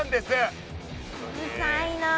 うるさいなあ。